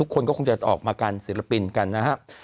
คนก็คงจะออกมากันเศรษฐราปินกันนะฮะ